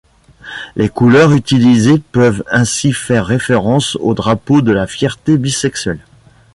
Les couleurs utilisées peuvent ainsi faire référence au drapeau de la fierté bisexuelle.